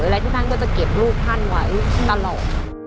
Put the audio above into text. และที่ท่านก็จะเก็บรูปท่านไว้ตลอด